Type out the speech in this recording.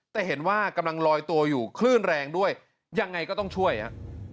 แต่เห็นว่ากำลังลอยตัวอยู่คลื่นแรงด้วยยังไงก็ต้องช่วยฮะ